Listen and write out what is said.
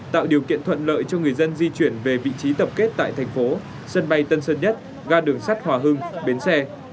tạo điều kiện thuận lợi cho người dân di chuyển về vị trí tập kết tại tp sân bay tân sơn nhất ga đường sát hòa hưng bến xe